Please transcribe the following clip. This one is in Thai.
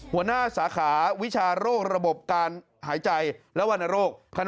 หัวหน้าสาขาวิชาโรคระบบการหายใจและวรรณโรค